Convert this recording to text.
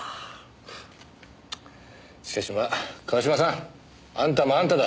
しかしまあ川島さんあんたもあんただ。